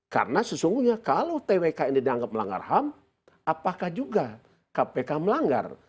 karena sesungguhnya kalau twk ini dianggap melanggar ham apakah juga kpk melanggar